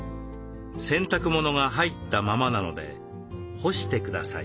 「洗濯物が入ったままなので干してください」。